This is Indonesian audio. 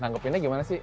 nanggepinnya gimana sih